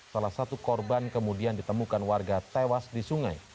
salah satu korban kemudian ditemukan warga tewas di sungai